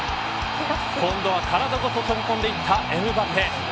今度は体ごと飛び込んでいったエムバペ。